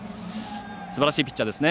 すばらしいピッチャーですね。